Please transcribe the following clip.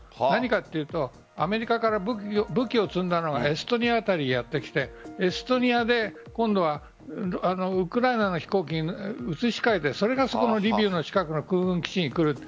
何かというとアメリカから武器を積んだのがエストニア辺りにやってきてエストニアで今度はウクライナの飛行機に移し替えてそれがリビウの近くの空軍基地に来る。